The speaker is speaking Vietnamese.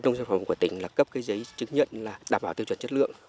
trong sản phẩm của tỉnh cấp giấy chứng nhận đảm bảo tiêu chuẩn chất lượng